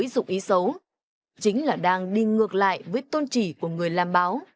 dùng ý xấu chính là đang đi ngược lại với tôn trì của người làm báo